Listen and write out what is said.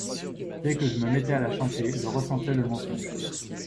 Dès que je me mettais à la chanter je ressentais le mensonge.